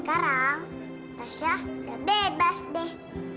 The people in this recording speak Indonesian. sekarang kata syah udah bebas deh